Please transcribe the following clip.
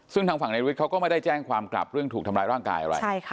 ซึ่งทางฝั่งในฤทธิเขาก็ไม่ได้แจ้งความกลับเรื่องถูกทำร้ายร่างกายอะไร